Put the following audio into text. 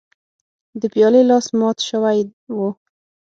د پیالې لاس مات شوی و.